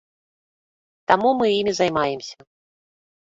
Таму мы імі займаемся.